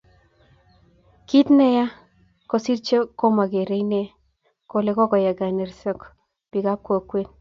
Kit neya kosiir cho komageere ine kole kagoyay konerekso bikap kokwet